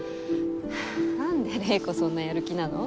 なんで玲子そんなやる気なの？